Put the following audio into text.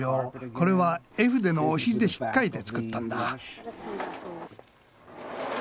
これは絵筆のお尻でひっかいて作ったんだ。